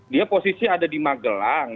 dia posisi ada di magelang